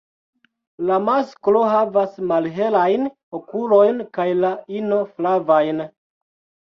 La masklo havas malhelajn okulojn kaj la ino flavajn.